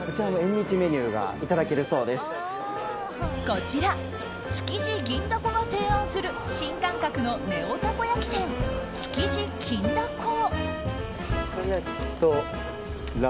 こちら築地銀だこが提案する新感覚のネオたこ焼き店築地金だこ。